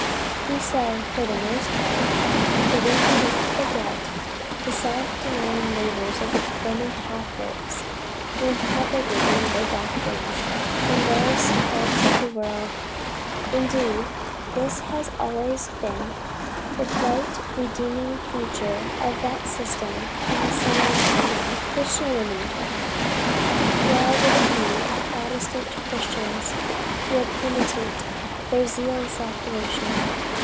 We say for the most part, for we do not forget the self denying labors of the Roman Catholics in propagating their doctrines in various parts of the world; indeed this has always been the bright redeeming feature of that system of semi pagan Christianity. Well would it be if protestant Christians would imitate their zeal and self devotion!